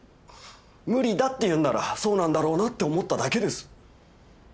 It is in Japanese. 無理だっていうんならそうなんだろうなって思っただけです。